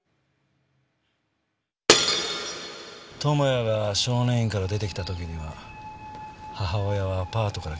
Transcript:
友也が少年院から出てきた時には母親はアパートから消えていた。